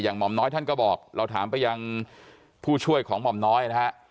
หม่อมน้อยท่านก็บอกเราถามไปยังผู้ช่วยของหม่อมน้อยนะฮะ